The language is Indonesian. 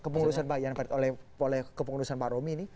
kepengurusan pak yan farid oleh kepengurusan pak romi ini